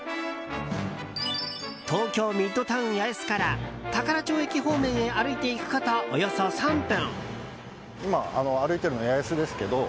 東京ミッドタウン八重洲から宝町駅方面へ歩いていくことおよそ３分。